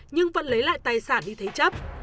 nhưng vẫn lấy lại tài sản đi thế chấp